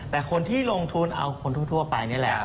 แต่คนที่ลงทุนเอาคนทั่วไปนี่แหละ